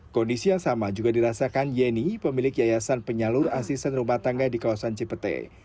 kondisi yang sama juga dirasakan yeni pemilik yayasan penyalur asisten rumah tangga di kawasan cipete